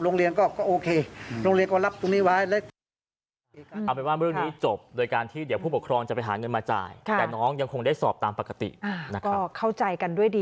โรงเรียนก็โอเคโรงเรียนก็รับตรงนี้ไว้